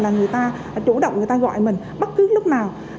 là người ta chủ động người ta gọi mình bất cứ lúc nào